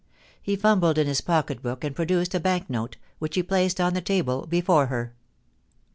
He fumbled in his pocket book, and produced a bank note, which he placed on the table before her.